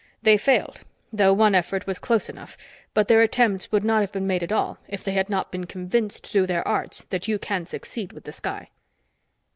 They failed, though one effort was close enough, but their attempts would not have been made at all if they had not been convinced through their arts that you can succeed with the sky."